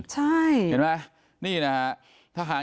ขอบคุณทุกคน